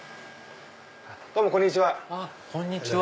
どうもこんにちは。